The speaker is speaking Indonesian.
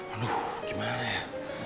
aduh gimana ya